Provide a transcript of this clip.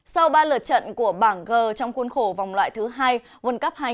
sau ba lượt trận của bảng g trong khuôn khổ vòng loại thứ hai world cup hai nghìn hai mươi